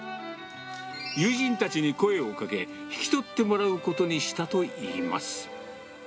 友人たちに声をかけ、引き取ってもらうことにしたといいます。